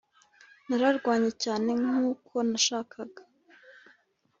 nararwanye cyane, nkuko nashakaga